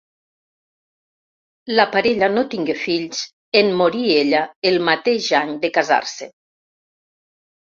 La parella no tingué fills en morir ella el mateix any de casar-se.